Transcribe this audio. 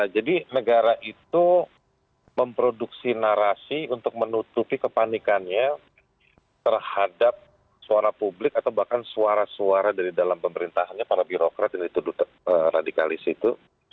jadi negara itu memproduksi narasi untuk menutupi kepanikannya terhadap suara publik atau bahkan suara suara dari dalam pemerintahnya para birokrat dan itu radikalis itu